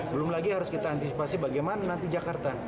belum lagi harus kita antisipasi bagaimana nanti jakarta